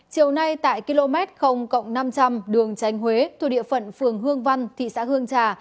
chiều nay tại km năm trăm linh đường tránh huế thuộc địa phận phường hương văn thị xã hương trà